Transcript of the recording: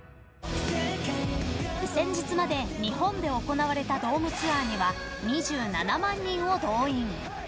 先日まで日本で行われたドームツアーには２７万人を動員。